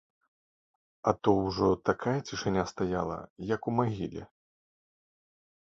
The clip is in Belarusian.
А то ўжо такая цішыня стаяла, як у магіле.